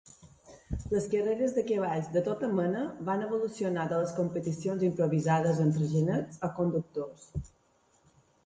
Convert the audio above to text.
Les carreres de cavalls de tota mena van evolucionar de les competicions improvisades entre genets o conductors.